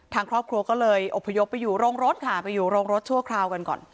ทางครอบครัวก็เลยอบพยพไปอยู่โรงรถค่ะไปอยู่โรงรถชั่วคราวกันก่อน